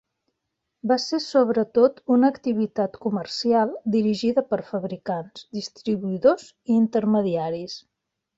Va ser sobretot una activitat comercial dirigida per fabricants, distribuïdors i intermediaris.